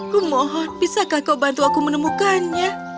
kumohon bisakah kau bantu aku menemukannya